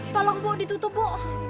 tolong bu ditutup bu